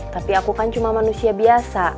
tapi aku kan cuma manusia biasa